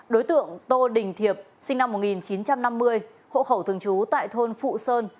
đối tượng tô đình thiệp sinh năm một nghìn chín trăm năm mươi hộ khẩu thường trú tại thôn phụ sơn